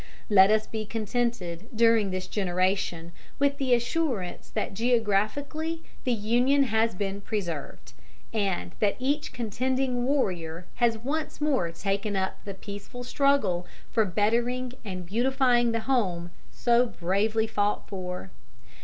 Let us be contented during this generation with the assurance that geographically the Union has been preserved, and that each contending warrior has once more taken up the peaceful struggle for bettering and beautifying the home so bravely fought for.